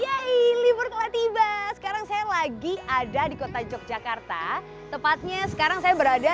ya libur telah tiba sekarang saya lagi ada di kota yogyakarta tepatnya sekarang saya berada